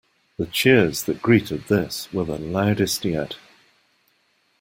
The cheers that greeted this were the loudest yet.